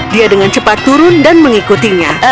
dia dengan cepat turun dan mengikutinya